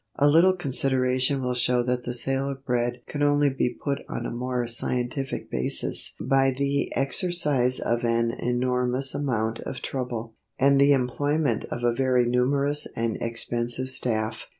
A little consideration will show that the sale of bread could only be put on a more scientific basis by the exercise of an enormous amount of trouble, and the employment of a very numerous and expensive staff.